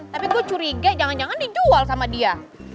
tapi gue curiga jangan jangan dijual sama dia